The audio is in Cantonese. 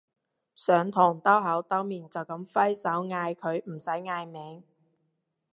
上堂兜口兜面就噉揮手嗌佢唔使嗌名